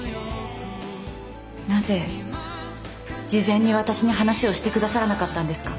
なぜ事前に私に話をしてくださらなかったんですか？